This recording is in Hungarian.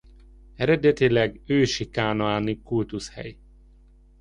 Eredetileg ősi kánaáni kultuszhely.